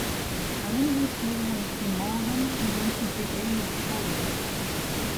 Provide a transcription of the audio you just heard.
Alumnus William G. Morgan invented the game of volleyball.